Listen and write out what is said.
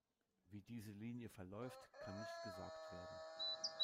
Wie diese Linie verläuft, kann nicht gesagt werden.